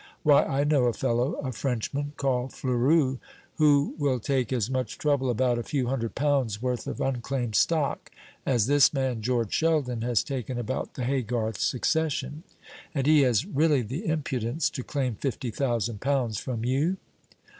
Why, I know a fellow, a Frenchman, called Fleurus, who will take as much trouble about a few hundred pounds' worth of unclaimed stock as this man, George Sheldon, has taken about the Haygarth succession. And he has really the impudence to claim fifty thousand pounds from you?"